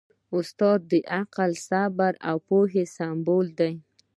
استاد د عقل، صبر او پوهې سمبول دی.